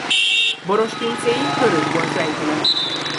Borospincéi vörösbort rejtenek.